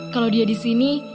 kalau dia disini